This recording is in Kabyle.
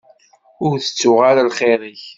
Ur tettuɣ ara lxir-ik.